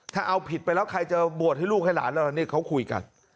ถ้าเอาผิดไปแล้วใครจะบวชให้ลูกให้หลานเรานี่เขาคุยกัน